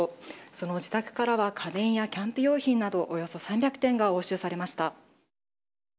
その自宅からは家電やキャンプ用品などおよそ３００点が押収されました。